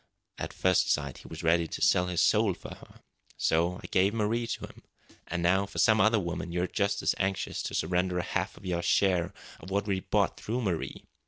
At first sight he was ready to sell his soul for her. So I gave Marie to him. And now, for some other woman, you're just as anxious to surrender a half of your share of what we've bought through Marie.